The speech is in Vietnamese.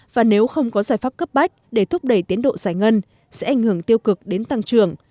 và nếu không có giải pháp cấp bách để thúc đẩy tiến độ giải ngân sẽ ảnh hưởng tiêu cực đến tăng trưởng